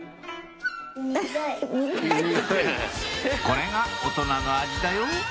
これが大人の味だよ